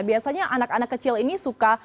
biasanya anak anak kecil ini suka